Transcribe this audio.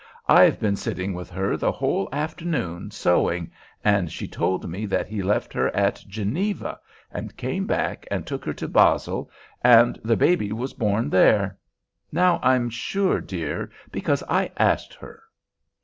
"I've been sitting with her the whole afternoon, sewing, and she told me that he left her at Geneva, and came back and took her to Basle, and the baby was born there—now I'm sure, dear, because I asked her."